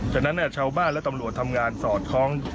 ฉะนั้นชาวบ้านและตำรวจทำงานสอดคล้อง